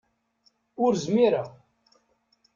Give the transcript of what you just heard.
Ur zmireɣ.